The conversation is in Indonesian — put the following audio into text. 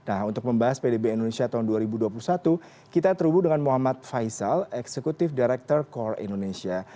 nah untuk membahas pdb indonesia tahun dua ribu dua puluh satu kita terhubung dengan muhammad faisal eksekutif director core indonesia